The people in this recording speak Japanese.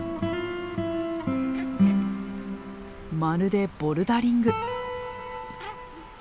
まるでボルダリング。